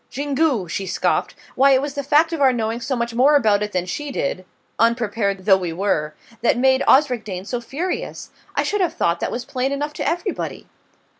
"Xingu!" she scoffed. "Why, it was the fact of our knowing so much more about it than she did unprepared though we were that made Osric Dane so furious. I should have thought that was plain enough to everybody!"